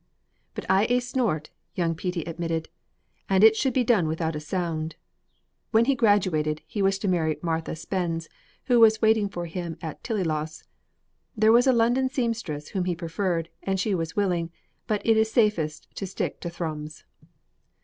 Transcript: "But I aye snort," young Petey admitted, "and it should be done without a sound." When he graduated, he was to marry Martha Spens, who was waiting for him at Tillyloss. There was a London seamstress whom he preferred, and she was willing, but it is safest to stick to Thrums.